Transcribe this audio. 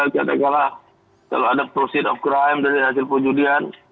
katakanlah kalau ada proceed of crime dari hasil perjudian